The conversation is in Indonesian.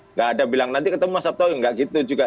nggak ada bilang nanti ketemu mas sabto nggak gitu juga